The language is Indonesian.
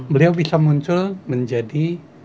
beliau bisa muncul menjadi